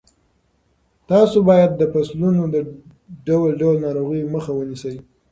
تاسو باید د فصلونو د ډول ډول ناروغیو مخه ونیسئ.